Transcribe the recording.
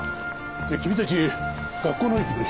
じゃあ君たち学校のほうへ行ってくれ。